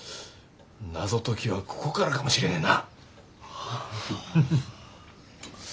謎解きはここからかもしれねえな。